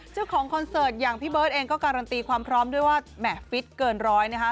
คอนเสิร์ตอย่างพี่เบิร์ตเองก็การันตีความพร้อมด้วยว่าแหม่ฟิตเกินร้อยนะคะ